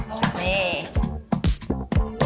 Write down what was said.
โอเค